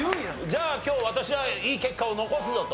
じゃあ今日私はいい結果を残すぞと？